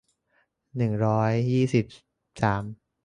หนึ่งร้อยยี่สิบสาม